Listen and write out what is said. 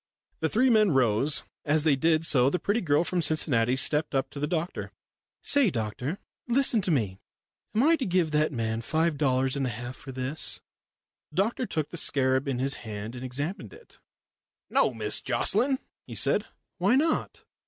The three men rose. As they did so the pretty girl from Cincinnati stepped up to the doctor. "Say, doctor listen to me. Am I to give that man five dollars and a half for this?" The doctor took the scarab in his hand and examined it. "No, Miss Jocelyn," he said. "Why not?